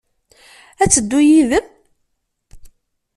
Ad teddu yid-m?